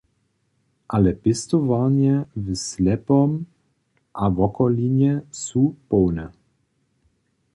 Ale pěstowarnje w Slepom a wokolinje su połne.